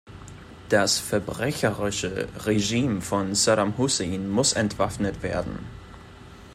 Das verbrecherische Regime von Saddam Hussein muss entwaffnet werden.